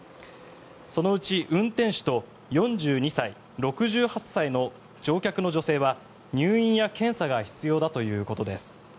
そのうち運転手と４２歳、６８歳の乗客の女性は入院や検査が必要だということです。